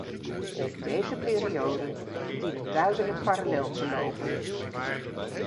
Deze perioden dienen duidelijk parallel te lopen.